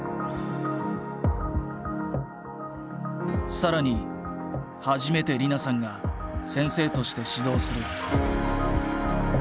更に初めて莉菜さんが先生として指導する。